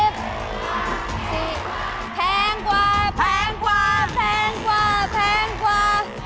แพงกว่าแพงกว่าแพงกว่าแพงกว่า